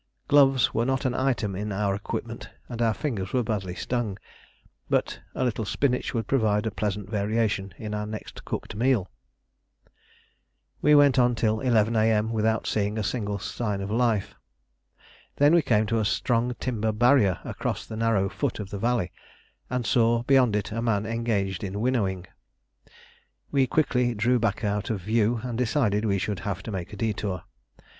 Gloves were not an item of our equipment, and our fingers were badly stung, but a little spinach would provide a pleasant variation in our next cooked meal. We went on till 11 A.M. without seeing a single sign of life. Then we came to a strong timber barrier across the narrow foot of the valley, and saw beyond it a man engaged in winnowing. We quickly drew back out of view, and decided we should have to make a detour.